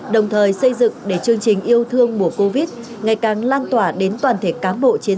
đồng thời xây dựng để chương trình yêu thương mùa covid ngày càng lan tỏa đến toàn thể cán bộ chiến sĩ